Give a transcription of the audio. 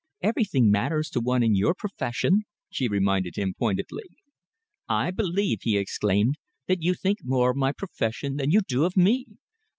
Everything matters to one in your profession," she reminded him pointedly. "I believe," he exclaimed, "that you think more of my profession than you do of me!"